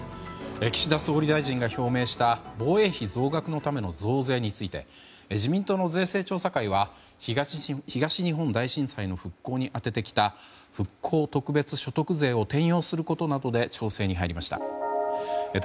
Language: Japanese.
岸田総理大臣が表明した防衛費増額のための増税について自民党の税制調査会は東日本大震災の復興に充ててきた復興特別所得税を転用することなどで調整に入りました。